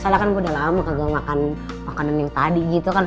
soalnya kan udah lama kagak makan makanan yang tadi gitu kan